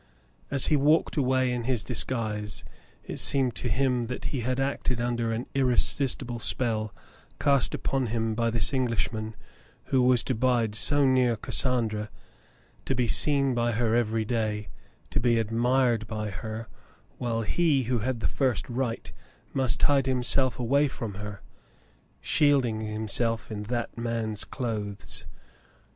As he walked away in his disguise, it seemed to him that he had acted under an irresistible spell cast upon him by this Englishman, who was to bide so near Cassandra — to be seen by her every day — to be admired by her, while he, who had the first right, must hide himself away from her, shielding himself in that man's clothes.